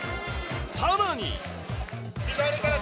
さらに。